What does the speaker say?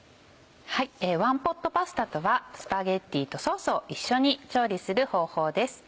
ワンポットパスタとはスパゲティとソースを一緒に調理する方法です。